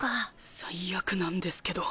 最悪なんですけど。